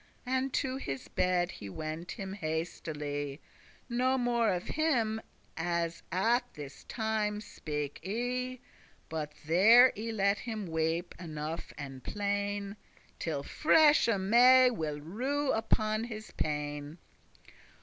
And to his bed he went him hastily; No more of him as at this time speak I; But there I let him weep enough and plain,* *bewail Till freshe May will rue upon his pain.